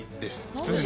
普通に。